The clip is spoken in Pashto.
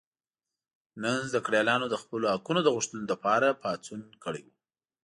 نن زده کړیالانو د خپلو حقونو د غوښتلو لپاره پاڅون کړی و.